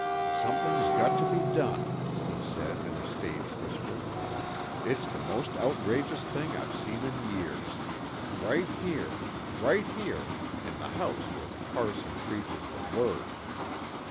"Something's got to be done," he said in a stage whisper. "It's the most outrageous thing I've seen in years. Right here right here in the house where the parson preaches the Word!